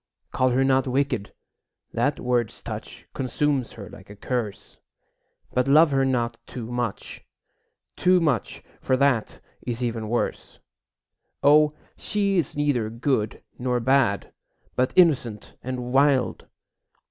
Call her not wicked; that word's touch Consumes her like a curse; But love her not too much, too much, For that is even worse. O, she is neither good nor bad, But innocent and wild!